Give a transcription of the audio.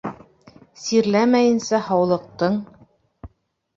Сирләмәйенсә һаулыҡтың